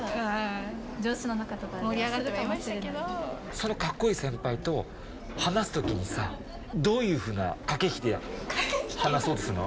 その格好いい先輩と話す時にどういうふうな駆け引きで話そうとするの？